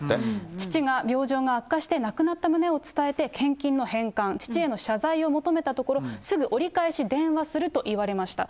父が病状が悪化して亡くなった旨を伝えて、献金の返還、父への謝罪を求めたところ、すぐ折り返し電話すると言われました。